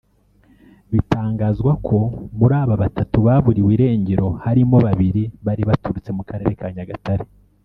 Bitangazwa ko muri aba batatu baburiwe irengero harimo babiri bari baturutse mu Karere ka Nyagatare